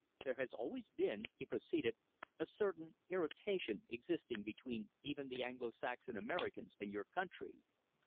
There has always been," he proceeded, "a certain irritation existing between even the Anglo Saxon Americans and your country.